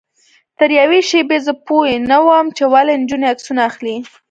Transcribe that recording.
تر یوې شېبې زه پوی نه وم چې ولې نجونې عکسونه اخلي.